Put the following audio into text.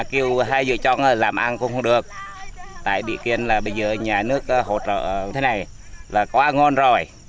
kêu hai vợ chồng làm ăn cũng không được tại vì kiến là bây giờ nhà nước hỗ trợ thế này là quá ngon rồi